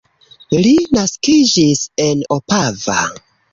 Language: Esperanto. Li naskiĝis en Opava.